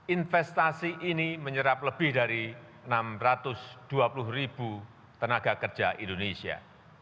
investasi ini menyerap lebih dari enam ratus dua puluh ribu tenaga kerja indonesia